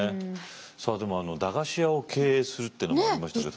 さあでも駄菓子屋を経営するっていうのもありましたけども。